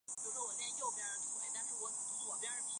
鱼饵湖角猛水蚤为短角猛水蚤科湖角猛水蚤属的动物。